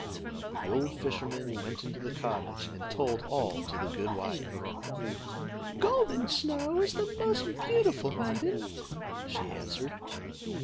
The old fisherman went into the cottage, and told all to the good wife. "Golden Snow is the most beautiful maiden," she answered.